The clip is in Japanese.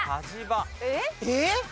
えっ？